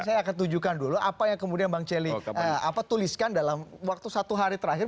saya akan tunjukkan dulu apa yang kemudian bang celi tuliskan dalam waktu satu hari terakhir